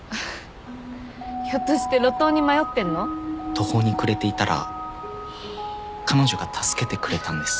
途方に暮れていたら彼女が助けてくれたんです。